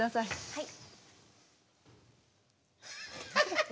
はい。